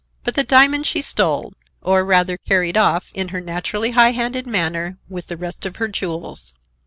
But the diamond she stole, or rather carried off in her naturally high handed manner with the rest of her jewels.